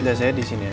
nggak saya disini aja